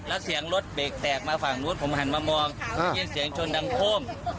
แล้วเสียงรถเบรกแตกมาฝั่งรถผมหันมามองอ่าเสียงชนดังโค้ง